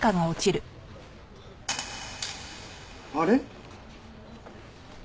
あれ？